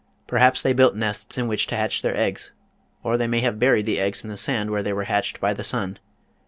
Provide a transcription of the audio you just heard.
Perhaps they built nests in which to hatch their eggs, or they may have buried the eggs in the sand where they were hatched by the sun.